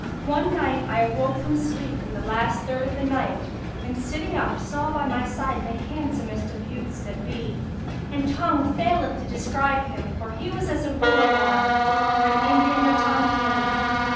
One night I awoke from sleep, in the last third of the night[FN#284] and, sitting up, saw by my side the handsomest of youths that be, and tongue faileth to describe him, for he was as a willow wand or an Indian rattan cane.